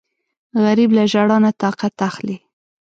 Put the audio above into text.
غریب له ژړا نه طاقت اخلي